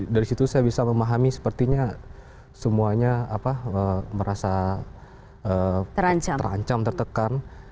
dari situ saya bisa memahami sepertinya semuanya merasa terancam tertekan